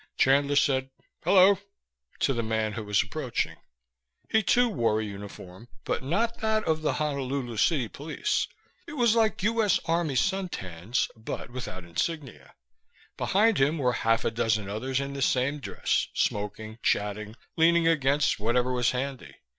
Chandler said, "Hello," to the man who was approaching. He too wore a uniform, but not that of the Honolulu city police. It was like U.S. Army suntans, but without insignia. Behind him were half a dozen others in the same dress, smoking, chatting, leaning against whatever was handy.